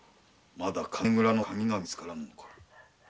まだ金蔵の鍵が見つからぬのか？